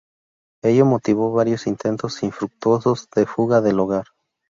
Ello motivó varios intentos infructuosos de fuga del hogar.